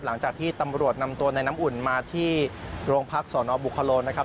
หลังจากที่ตำรวจนำตัวในน้ำอุ่นมาที่โรงพักสนบุคโลนะครับ